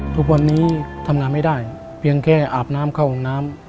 ทุกวันนี้ทำงานไม่ได้เพียงแค่อาบน้ำเข้าห้องน้ำ